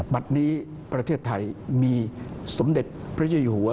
บัตรนี้ประเทศไทยมีสมเด็จพระเจ้าอยู่หัว